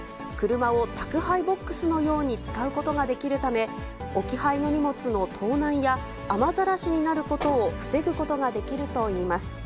車を宅配ボックスのように使うことができるため、置き配の荷物の盗難や、雨ざらしになることを防ぐことができるといいます。